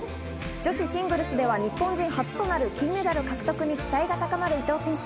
女子シングルスでは日本人初となる金メダル獲得に期待が高まる伊藤選手。